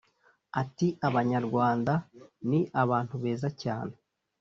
Ati “Abanyarwanda ni abantu beza cyane